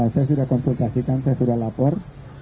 saya sudah konsultasikan saya sudah lapor